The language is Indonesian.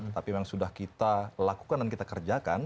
tapi memang sudah kita lakukan dan kita kerjakan